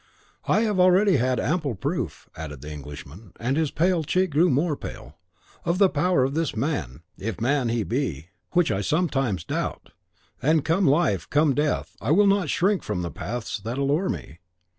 I have already had ample proof," added the Englishman, and his pale cheek grew more pale, "of the power of this man, if man he be, which I sometimes doubt, and, come life, come death, I will not shrink from the paths that allure me.